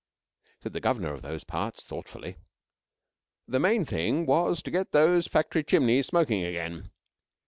Said the Governor of those parts thoughtfully: "The main thing was to get those factory chimneys smoking again."